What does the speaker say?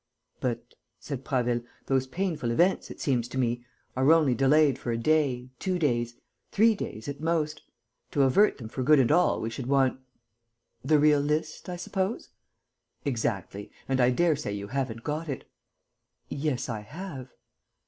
"But," said Prasville, "those painful events, it seems to me, are only delayed for a day, two days, three days at most. To avert them for good and all we should want...." "The real list, I suppose?" "Exactly. And I daresay you haven't got it." "Yes, I have."